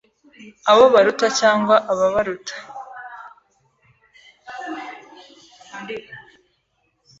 abo baruta cyangwa ababaruta